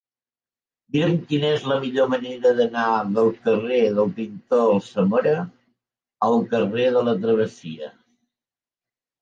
Mira'm quina és la millor manera d'anar del carrer del Pintor Alsamora al carrer de la Travessia.